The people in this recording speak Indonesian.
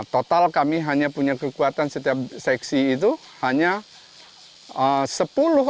total kami hanya punya kekuatan setiap seksi itu